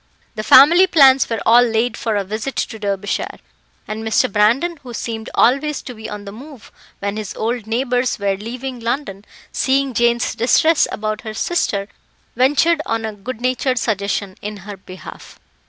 The family plans were all laid for a visit to Derbyshire, and Mr. Brandon, who seemed always to be on the move, when his old neighbours were leaving London, seeing Jane's distress about her sister, ventured on a good natured suggestion in her behalf.